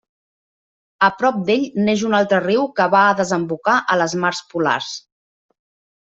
A prop d'ell neix un altre riu que va a desembocar a les mars polars.